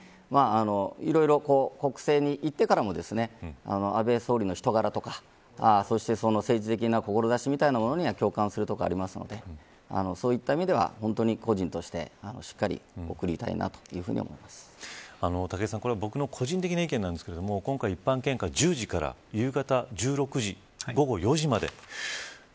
いろいろ国政にいってからも安倍総理の人柄とかそして政治的な志みたいなものには共感するところがありますのでそういった意味では本当に個人としてしっかり送りたいな武井さん、これは僕の個人的な意見ですが今回、一般献花１０時から夕方１６時午後４時まで。